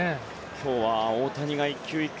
今日は大谷が１球１球